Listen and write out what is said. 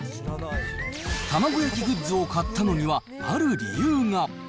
卵焼きグッズを買ったのには、ある理由が。